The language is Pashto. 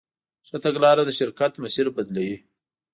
ښه تګلاره د شرکت مسیر بدلوي.